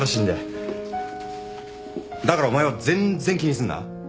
だからお前は全然気にすんな。